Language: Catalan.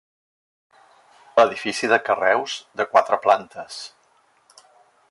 Edifici de carreus de quatre plantes.